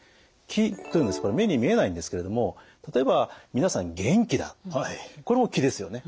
気というのはこれ目に見えないんですけれども例えば皆さん元気だこれも気ですよね？